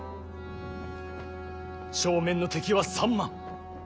正面の敵は３万。